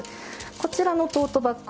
こちらのトートバッグ